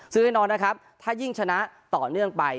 ซึ่งแนะนำนะคะถ้ายิ่งชนะต่อเนื่องไป